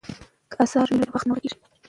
که اثار وي نو تېر وخت نه ورکیږي.